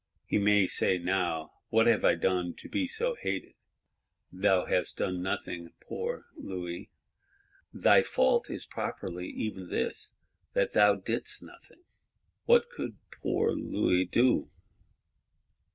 He may say now: What have I done to be so hated? Thou hast done nothing, poor Louis! Thy fault is properly even this, that thou didst nothing. What could poor Louis do?